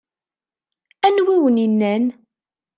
Anwa i awen-innan?